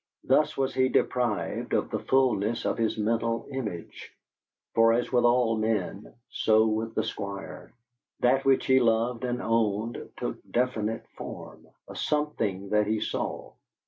Thus was he deprived of the fulness of his mental image; for as with all men, so with the Squire, that which he loved and owned took definite form a some thing that he saw.